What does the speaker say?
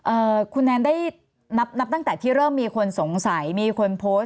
เอ่อคุณแนนได้นับนับตั้งแต่ที่เริ่มมีคนสงสัยมีคนโพสต์